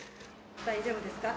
大丈夫ですか？